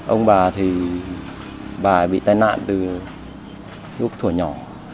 ông bà thì bà bị tai nạn từ lúc thủa nhỏ